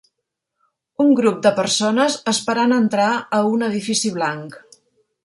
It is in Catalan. Un grup de persones esperant entrar a un edifici blanc.